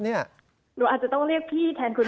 เดี๋ยวอาจจะต้องเรียกพี่แทนคุณพ่อ